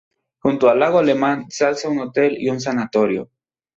Junto al lago Lemán se alzan un hotel y un sanatorio.